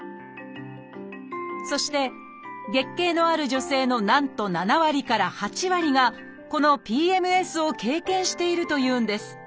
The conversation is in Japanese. そして月経のある女性のなんと７割から８割がこのＰＭＳを経験しているというんです。